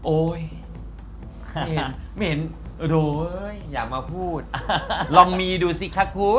โอ้ยไม่เห็นอย่ามาพูดลองมีดูสิค่ะคุณ